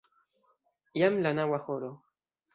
Jam la naŭa horo!